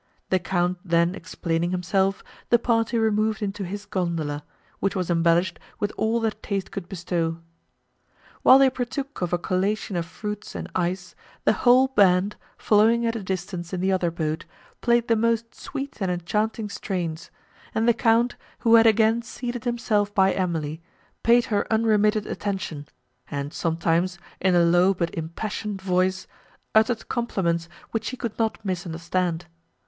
The Count then explaining himself, the party removed into his gondola, which was embellished with all that taste could bestow. While they partook of a collation of fruits and ice, the whole band, following at a distance in the other boat, played the most sweet and enchanting strains, and the Count, who had again seated himself by Emily, paid her unremitted attention, and sometimes, in a low but impassioned voice, uttered compliments which she could not misunderstand.